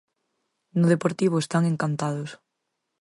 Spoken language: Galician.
No Deportivo están encantados.